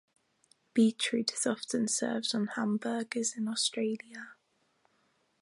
Beetroot is often served on hamburgers in Australia